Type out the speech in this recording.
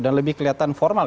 dan lebih kelihatan formal